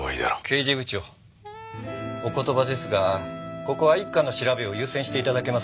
刑事部長お言葉ですがここは一課の調べを優先していただけませんか？